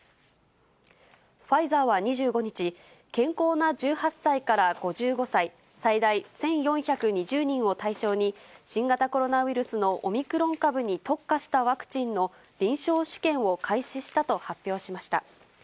ファイザーは２５日、健康な１８歳から５５歳、最大１４２０人を対象に、新型コロナウイルスのオミクロン株に特化したワクチンの臨床試験を開始したと発表しました。